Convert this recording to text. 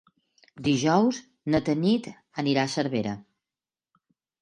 Dijous na Tanit anirà a Cervera.